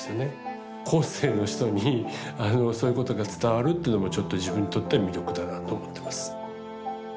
後世の人にそういうことが伝わるっていうのもちょっと自分にとっては魅力だなと思ってます。